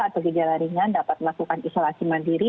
atau gejala ringan dapat melakukan isolasi mandiri